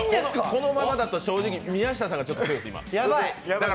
このままだと正直、宮下さんが。